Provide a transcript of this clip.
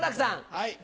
はい。